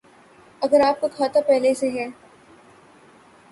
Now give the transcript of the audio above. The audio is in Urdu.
اگر آپ کا کھاتہ پہلے سے ہے